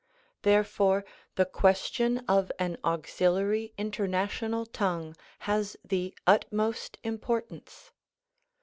Therefore the question of an auxiliary international tongue has the utmost importance.